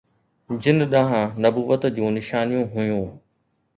جن ڏانهن نبوت جون نشانيون هيون